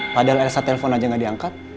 padahal elsa telpon aja nggak diangkat